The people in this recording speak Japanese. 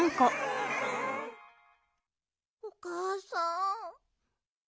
おかあさん。